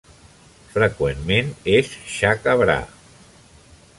Freqüentment és "shaka brah".